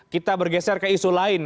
kita bergeser ke isu lain